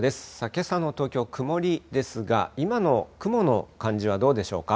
けさの東京、曇りですが、今の雲の感じはどうでしょうか？